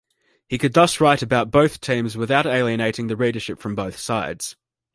He could thus write about both teams without alienating the readership from both sides.